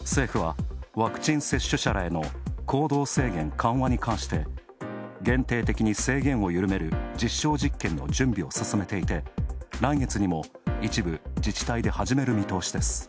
政府は、ワクチン接種者らへの行動制限緩和に関して限定的に制限を緩める実証実験の準備を進めていて来月にも一部自治体で始める見通しです。